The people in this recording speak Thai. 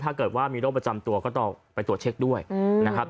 ถ้าเกิดว่ามีโรคประจำตัวก็ต้องไปตรวจเช็คด้วยนะครับ